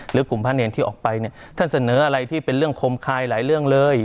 หรือกลุ่มพระเนรที่ออกไปเนี่ยท่านเสนออะไรที่เป็นเรื่องคมคายหลายเรื่องเลย